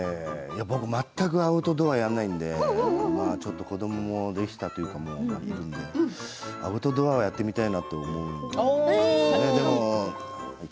僕、全くアウトドアやらないので子どもも、できたというかアウトドアをやってみたいなって思いますよね。